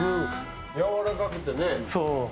やわらかくてね。